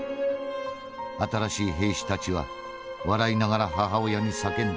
新しい兵士たちは笑いながら母親に叫んだ。